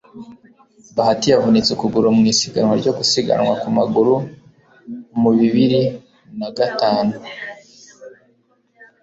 Bahati yavunitse ukuguru mu isiganwa ryo gusiganwa ku maguru mu bibiri n'agatantu